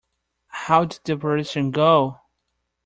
How'd the operation go?